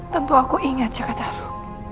tentu aku ingat jaka taru